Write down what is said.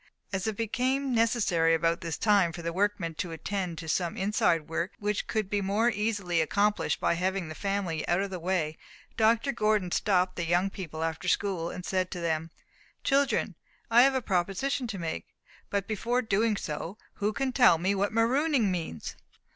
As it became necessary about this time for the workmen to attend to some inside work, which could be more easily accomplished by having the family out of the way, Dr. Gordon stopped the young people after school, and said to them: "Children, I have a proposition to make. But before doing so, who can tell me what 'marooning' means?"